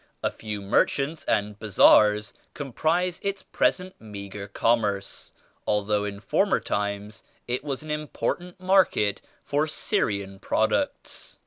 A few merchants and bazaars comprise its present meagre commerce although in former times it was an important market for Syrian products.